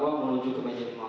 dari duduk di situ ya